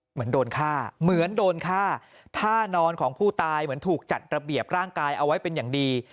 เหมือนโดนฆ่าเหมือนโดนฆ่าท่านอนของผู้ตายเหมือนถูกจัดระเบียบร่างกายเอาไว้เป็นอย่างดี